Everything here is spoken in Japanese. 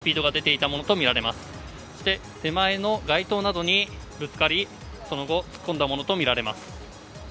そして手前の街灯などにぶつかりその後、突っ込んだものとみられます。